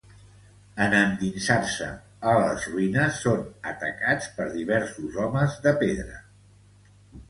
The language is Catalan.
En endinsar-se a les ruïnes, són atacats per diversos homes de pedra.